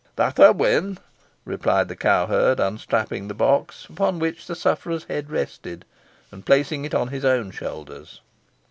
"That I win," replied the cowherd, unstrapping the box, upon which the sufferer's head rested, and placing it on his own shoulders.